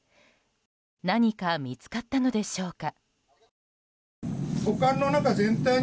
何か見つかったのでしょうか。